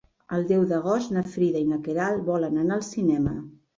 El deu d'agost na Frida i na Queralt volen anar al cinema.